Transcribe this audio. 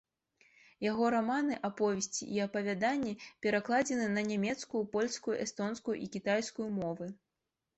Яго раманы, аповесці і апавяданні перакладзены на нямецкую, польскую, эстонскую і кітайскую мовы.